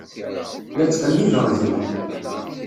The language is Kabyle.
La ttqellibeɣ gma.